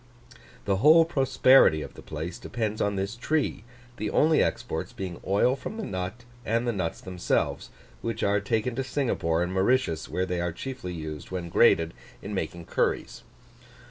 The whole prosperity of the place depends on this tree: the only exports being oil from the nut, and the nuts themselves, which are taken to Singapore and Mauritius, where they are chiefly used, when grated, in making curries.